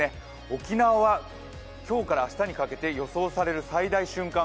沖縄は今日から明日にかけて予想される最大瞬間